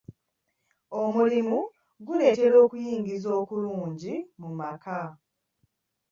Omulimu guleetera okuyingiza okulungi mu maka.